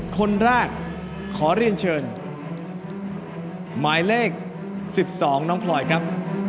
คนแรกขอเรียนเชิญหมายเลข๑๒น้องพลอยครับ